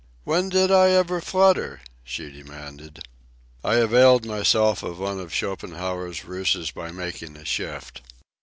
"When did I ever flutter?" she demanded. I availed myself of one of Schopenhauer's ruses by making a shift.